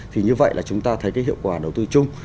thì như vậy là chúng ta thấy cái hiệu quả đầu tư chung